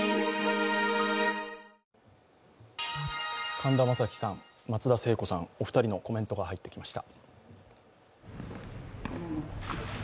神田正輝さん、松田聖子さん、お二人のコメントが入ってきました。